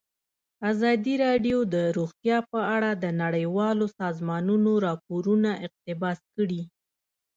ازادي راډیو د روغتیا په اړه د نړیوالو سازمانونو راپورونه اقتباس کړي.